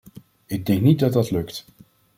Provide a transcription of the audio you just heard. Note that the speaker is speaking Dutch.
Ik denk niet dat dat lukt.